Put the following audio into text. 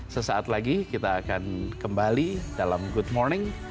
sesaat lagi kita akan kembali dalam good morning